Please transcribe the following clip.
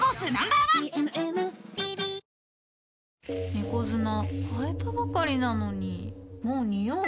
猫砂替えたばかりなのにもうニオう？